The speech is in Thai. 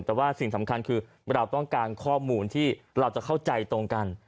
แต่ว่าสิ่งสำคัญคือเราต้องการข้อมูลที่เราจะเข้าใจตรงกัน